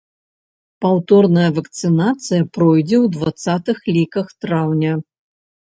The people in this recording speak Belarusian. Паўторная вакцынацыя пройдзе ў дваццатых ліках траўня.